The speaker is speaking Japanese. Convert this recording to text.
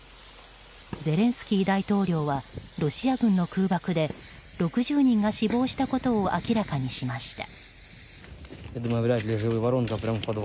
ゼレンスキー大統領はロシア軍の空爆で６０人が死亡したことを明らかにしました。